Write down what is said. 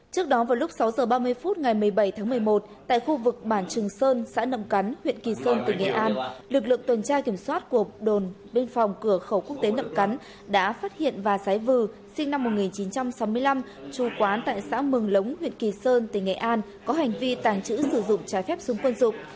trước đó vào lúc sáu h ba mươi phút ngày một mươi bảy tháng một mươi một tại khu vực bản trường sơn xã nậm cắn huyện kỳ sơn tỉnh nghệ an lực lượng tuần tra kiểm soát của đồn biên phòng cửa khẩu quốc tế nậm cắn đã phát hiện và sái vừ sinh năm một nghìn chín trăm sáu mươi năm chú quán tại xã mường lống huyện kỳ sơn tỉnh nghệ an có hành vi tàng trữ sử dụng trái phép súng quân dụng